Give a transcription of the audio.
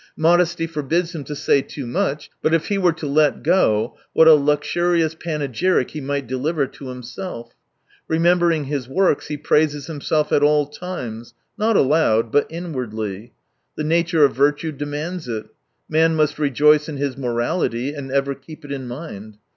Modesty forbids him to say too much — but if he were to let go, what a luxurious panegyric he might deliver to himself ! Remembering his works, he praises himself at all times ; not aloud, but in wardly. The nature of virtue demands it : man must rejoice in his niorality and ever keep it in mind.